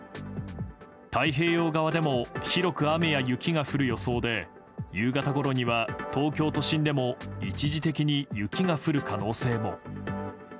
太平洋側でも広く雨や雪が降る予想で夕方ごろには東京都心でも一時的に雪が降る可能性も。